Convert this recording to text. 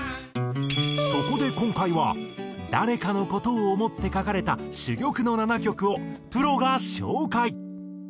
そこで今回は誰かの事を想って書かれた珠玉の７曲をプロが紹介。